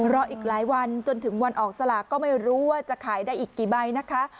รออีกหลายวันจนถึงวันออกสลากก็ไม่รู้ว่าจะขายได้อีกกี่ใบนะคะ